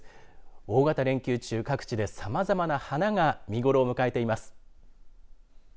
大型連休中、各地でさまざまな花が見頃を迎えています。